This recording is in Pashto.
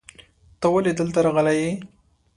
ته ولې دلته راغلی یې؟